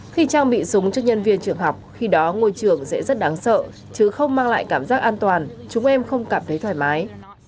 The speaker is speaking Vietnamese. khi trang bị súng cho nhân viên trường học khi đó ngôi trường sẽ rất đáng sợ chứ không mang lại cảm giác an toàn chúng em không cảm thấy thoải mái